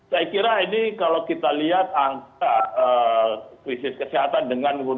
saya kira ini kalau kita lihat angka krisis kesehatan dengan